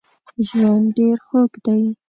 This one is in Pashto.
ژوند ډېر خوږ دی